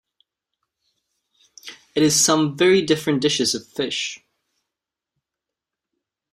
It is some very different dishes of fish.